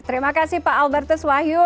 terima kasih pak albertus wahyu